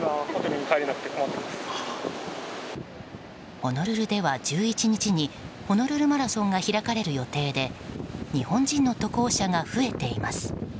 ホノルルでは１１日にホノルルマラソンが開かれる予定で日本人の渡航者が増えています。